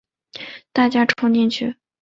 大家冲进去